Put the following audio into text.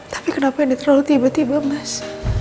tapi kenapa ini terlalu tiba tiba mas